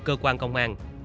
cơ quan công an